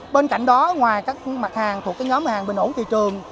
bên cạnh đó ngoài các mặt hàng thuộc nhóm hàng bình ổn thị trường